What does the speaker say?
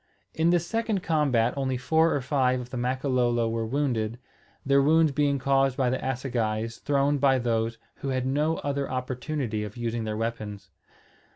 In this second combat only four or five of the Makololo were wounded; their wounds being caused by assegais thrown by those who had no other opportunity of using their weapons.